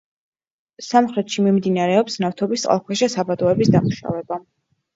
სამხრეთში მიმდინარეობს ნავთობის წყალქვეშა საბადოების დამუშავება.